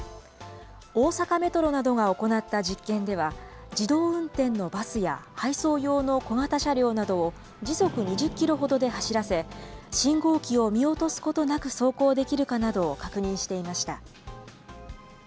大阪メトロなどが行った実験では、自動運転のバスや配送用の小型車両などを、時速２０キロほどで走らせ、信号機を見落とすことなく走行できるかなどを確認していました。